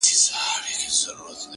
زما د سترگو له جوړښته قدم اخله _